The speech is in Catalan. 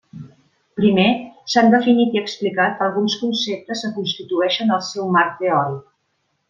Primer, s'han definit i explicat alguns conceptes que constitueixen el seu marc teòric.